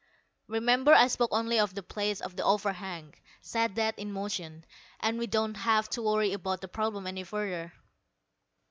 Remember I spoke only of the place of the overhang. Set that in motion, and we don't have to worry about the problem any further."